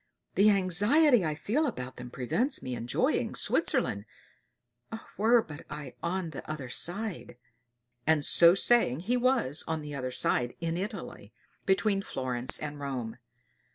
The anxiety I feel about them prevents me enjoying Switzerland. Were I but on the other side!" And so saying he was on the other side in Italy, between Florence and Rome.